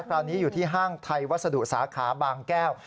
คราวนี้อยู่ที่ห้างไทยวัสดุสาขาบางแก้ว